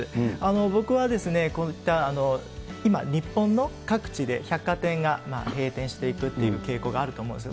僕はこういった今、日本の各地で、百貨店が閉店していくという傾向があると思うんですよ。